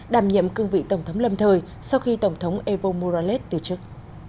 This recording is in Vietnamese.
đảm nhiệm cương vị tổng thống lâm thời sau khi tổng thống evo morales từ chức